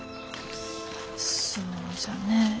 そうじゃね。